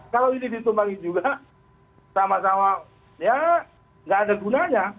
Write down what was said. kalau ini ditumpangi juga sama sama ya nggak ada gunanya